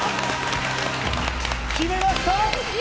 決めました！